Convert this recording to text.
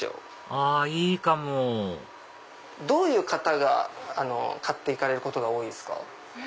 あいいかもどういう方が買って行かれること多いんですか？